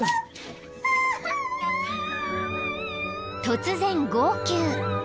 ［突然号泣］